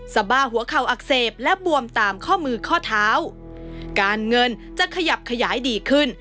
สบายหัวเข่าอักเสบและบวมตามข้อมือข้อเท้าการเงินจะขยับขยายดีขึ้น